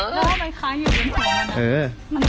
ต้องโดนแบบจอราเคียงไง